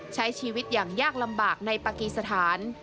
ใช้ชีวิตอย่างยากลำบากในปากีสถาน